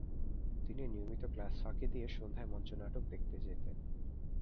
তিনি নিয়মিত ক্লাস ফাঁকি দিয়ে সন্ধ্যায় মঞ্চনাটক দেখতে যেতেন।